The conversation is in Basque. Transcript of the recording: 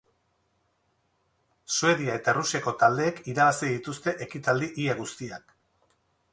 Suedia eta Errusiako taldeek irabazi dituzte ekitaldi ia guztiak.